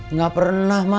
nggak pernah ma